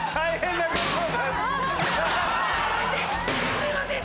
すいません！